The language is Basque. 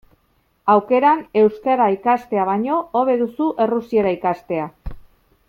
Aukeran, euskara ikastea baino, hobe duzu errusiera ikastea.